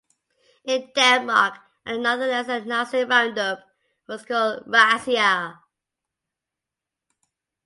In Denmark and the Netherlands, a Nazi roundup was called "razzia".